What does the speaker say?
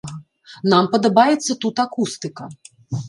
Нам падабаецца тут акустыка.